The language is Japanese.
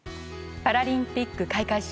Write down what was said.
パラリンピック閉会式。